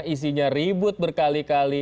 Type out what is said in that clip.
isinya ribut berkali kali